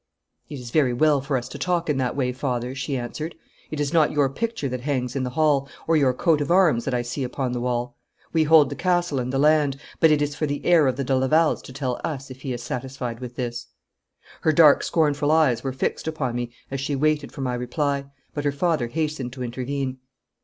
'It is very well for us to talk in that way, father,' she answered. 'It is not your picture that hangs in the hall, or your coat of arms that I see upon the wall. We hold the castle and the land, but it is for the heir of the de Lavals to tell us if he is satisfied with this.' Her dark scornful eyes were fixed upon me as she waited for my reply, but her father hastened to intervene.